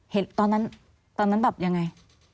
ตอนนั้นตอนนั้นแบบยังไง